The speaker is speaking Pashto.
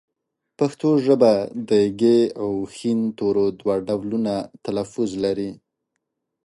پښتو ژبه د ږ او ښ تورو دوه ډولونه تلفظ لري